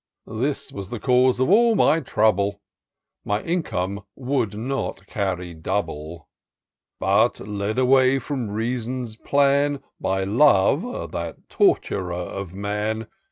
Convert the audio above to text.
This was the cause of all my trouble ; My income would not carry double : But, led away from Reason's plan By Love, that torturer of man.